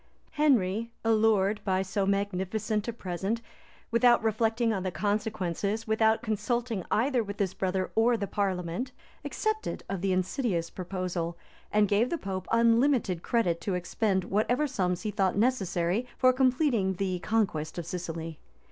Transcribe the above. [] Henry, allured by so magnificent a present, without reflecting on the consequences, without consulting either with his brother or the parliament, accepted of the insidious proposal, and gave the pope unlimited credit to expend whatever sums he thought necessary for completing the conquest of Sicily.